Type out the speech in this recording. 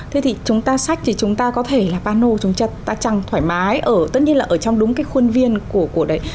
thế thì chúng ta sách thì chúng ta có thể là pano chúng ta chẳng thoải mái ở tất nhiên là ở trong đúng cái khuôn viên của đấy